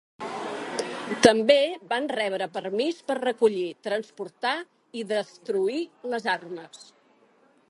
També van rebre permís per recollir, transportar i destruir les armes.